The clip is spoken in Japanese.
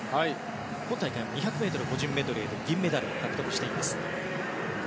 今大会も２００ｍ個人メドレーで銀メダルを獲得しています。